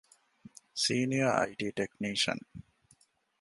ސީނިއަރ އައި.ޓީ. ޓެކްނީޝަން